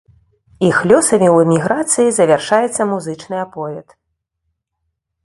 Іх лёсамі ў эміграцыі завяршаецца музычны аповед.